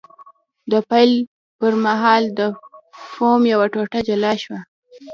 د پیل پر مهال د فوم یوه ټوټه جلا شوه.